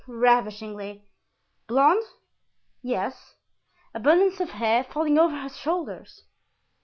"Ravishingly." "Blond?" "Yes." "Abundance of hair—falling over her shoulders?"